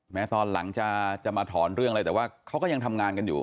ตอนหลังจะมาถอนเรื่องอะไรแต่ว่าเขาก็ยังทำงานกันอยู่